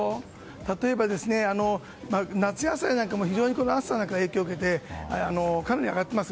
例えば、夏野菜なんかもこの暑さの影響を受けてかなり上がっています。